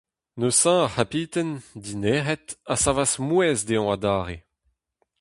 Neuze ar c'habiten, dinec'het, a savas mouezh dezhañ adarre.